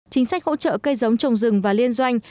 chính sách hỗ trợ cây giống trồng rừng và liên doanh